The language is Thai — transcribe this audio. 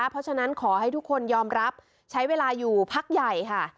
เพราะฉะนั้นขอให้ทุกคนยอมรับใช้เวลาอยู่พักใหญ่ค่ะ